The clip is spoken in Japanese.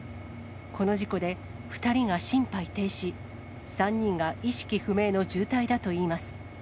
この事故で、２人が心肺停止、３人が意識不明の重体だといいます。